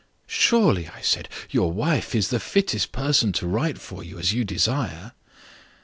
'Surely,' I said, 'your wife is the fittest person to write for you as you desire?